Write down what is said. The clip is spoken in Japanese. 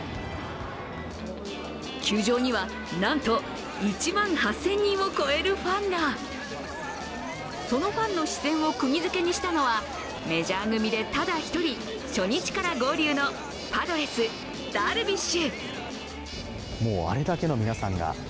球場にはなんと１万８０００人を超えるファンがそのファンの視線をくぎづけにしたのは、メジャー組でただ一人初日から合流のパドレスダルビッシュ。